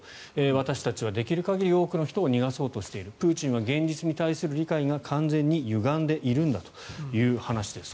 私たちはできる限り多くの人を逃がそうとしているプーチンは現実に対する理解が完全にゆがんでいるんだという話です。